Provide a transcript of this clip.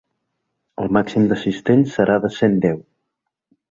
El màxim d’assistents serà de cent deu.